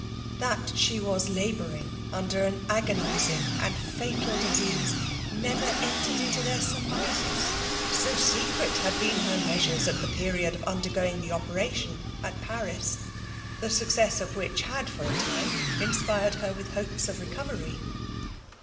That she was labouring under an agonising and fatal dis« ease* never entered into their surmises; so secret had been, her measures at the period o£ undergoing the operation at Faris, the succesa of which had fer a time, inspired her with hopea of recovery.